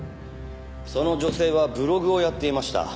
その女性はブログをやっていました。